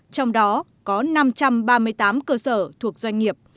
trong đó có năm trăm ba mươi tám cơ sở thuộc doanh nghiệp